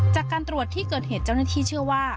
จากการตรวจที่เกิดเหตุเจ้าหน้าที่เชื่อว่า